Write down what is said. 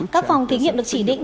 các phòng thí nghiệm được chỉ định